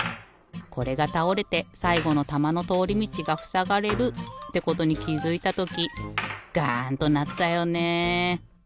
これがたおれてさいごのたまのとおりみちがふさがれるってことにきづいたときガンとなったよねえ。